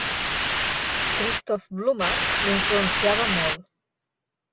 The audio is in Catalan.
Christoph Blumhardt l'influenciava molt.